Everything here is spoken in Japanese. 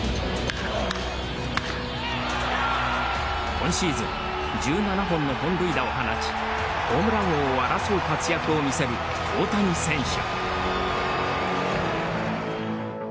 今シーズン１７本の本塁打を放ちホームラン王を争う活躍を見せる大谷選手。